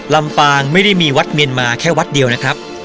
ลำปางไม่ได้มีวัดเมียนมาแค่วัดเดียวนะครับ